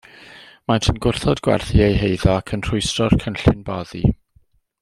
Maent yn gwrthod gwerthu eu heiddo ac yn rhwystro'r cynllun boddi.